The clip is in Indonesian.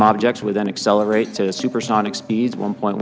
objek objek ini akan bergerak ke kecepatan supersonik satu satu satu dua mach